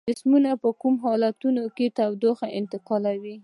جسمونه په کومو حالتونو کې تودوخه انتقالوي؟